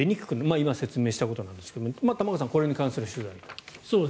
今、説明したことなんですが玉川さん、これに関する取材を。